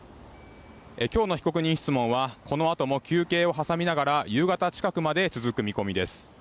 きょうの被告人質問はこのあとも休憩を挟みながら夕方近くまで続く見込みです。